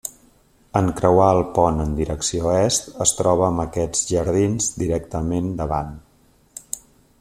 En creuar el pont en direcció est, es troba amb aquests jardins directament davant.